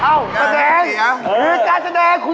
นะว่าแล้วขอแก้ปันให้ดู